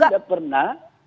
saya tidak pernah